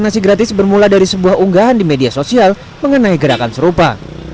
nasi gratis bermula dari sebuah unggahan di media sosial mengenai gerakan serupa